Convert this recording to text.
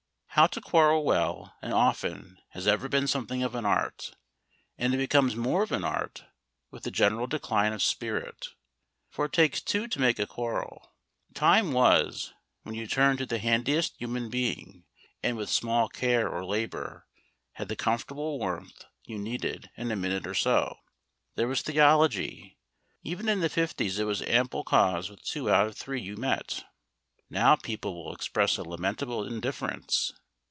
How to quarrel well and often has ever been something of an art, and it becomes more of an art with the general decline of spirit. For it takes two to make a quarrel. Time was when you turned to the handiest human being, and with small care or labour had the comfortable warmth you needed in a minute or so. There was theology, even in the fifties it was ample cause with two out of three you met. Now people will express a lamentable indifference.